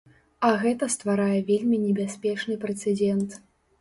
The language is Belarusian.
А гэта стварае вельмі небяспечны прэцэдэнт.